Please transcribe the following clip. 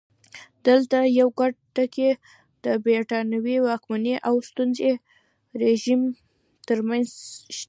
دلته یو ګډ ټکی د برېټانوي واکمنۍ او سټیونز رژیم ترمنځ شته.